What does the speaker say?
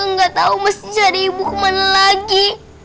aku gak tau mesti cari ibu kemana lagi